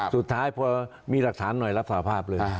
สุดท้ายพอมีหลักฐานหน่อยรับสาภาพเลย